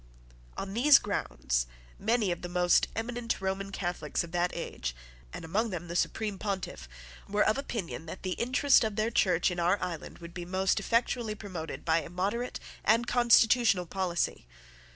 On these grounds many of the most eminent Roman Catholics of that age, and among them the Supreme Pontiff, were of opinion that the interest of their Church in our island would be most effectually promoted by a moderate and constitutional policy.